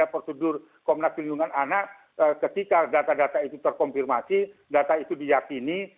prosedur komnas pelindungan anak ketika data data itu terkonfirmasi data itu diyakini